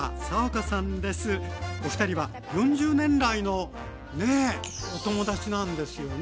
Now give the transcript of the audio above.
おふたりは４０年来のねえお友達なんですよね？